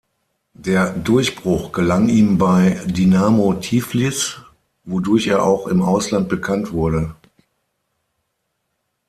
Der Durchbruch gelang ihm bei Dinamo Tiflis, wodurch er auch im Ausland bekannt wurde.